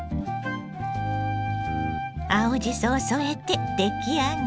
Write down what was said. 青じそを添えて出来上がり。